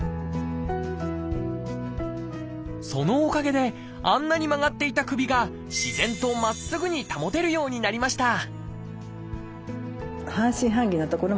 そのおかげであんなに曲がっていた首が自然とまっすぐに保てるようになりました